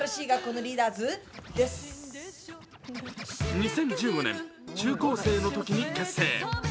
２０１５年、中高生のときに結成。